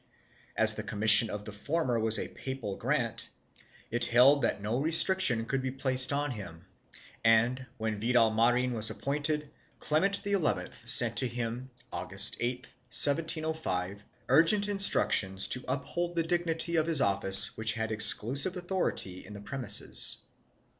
As the commission of the former was a papal grant, it held that no restriction could be placed on him and, when Vidal Marin was appointed, Clement XI sent to him August 8, 1705, urgent instructions to uphold the dignity of his office which had exclusive authority in the premises.